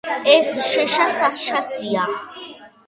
ეს შეშა საშასია